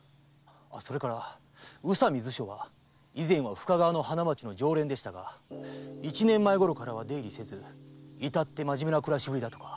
それから宇佐美図書は以前は深川の花街の常連でしたが一年前ごろからは出入りせず至って真面目な暮らしぶりとか。